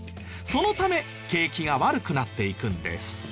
そのため景気が悪くなっていくんです。